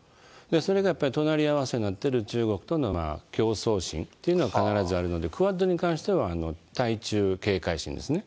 それがやっぱり隣り合わせになってる中国との競争心というのが必ずあるので、クアッドに関しては対中警戒心ですね。